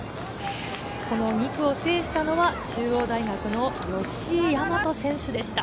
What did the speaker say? ２区を制したのは中央大学の吉居大和選手でした。